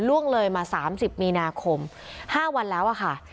ล่วงเลยมา๓๐มีนาคม๕วันแล้วอะค่ะ